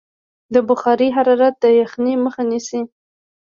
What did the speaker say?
د بخارۍ حرارت د یخنۍ مخه نیسي.